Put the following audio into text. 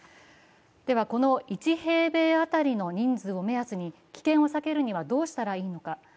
この１平米当たりの人数の目安に危険を避けるにはどうしたらいいのか。